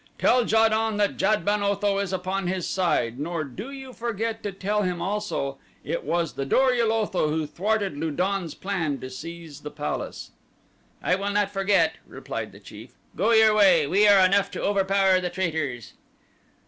Tell Ja don that Jad ben Otho is upon his side, nor do you forget to tell him also that it was the Dor ul Otho who thwarted Lu don's plan to seize the palace." "I will not forget," replied the chief. "Go your way. We are enough to overpower the traitors."